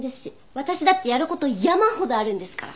私だってやる事山ほどあるんですから。